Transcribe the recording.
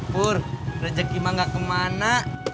pur rejeki emang gak kemana